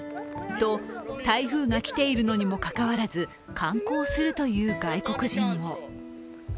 と、台風が来ているのにもかかわらず観光するという外国人も。